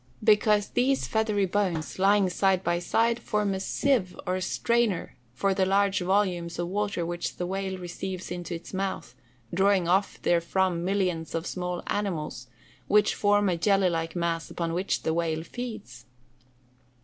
_ Because these feathery bones, lying side by side, form a sieve, or strainer, for the large volumes of water which the whale receives into its mouth, drawing off therefrom millions of small animals, which form a jelly like mass upon which the whale feeds.